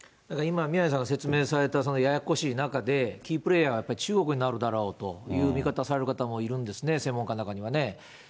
だから今、宮根さんが説明されたそのややこしい中で、キープレーヤーはやっぱり中国になるんだろうという見方される方もいるんですね、専門家の中にはね。